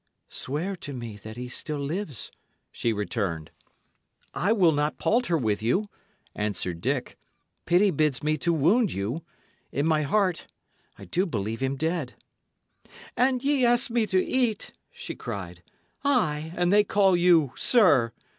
"Swear to me that he still lives," she returned. "I will not palter with you," answered Dick. "Pity bids me to wound you. In my heart I do believe him dead." "And ye ask me to eat!" she cried. "Ay, and they call you 'sir!'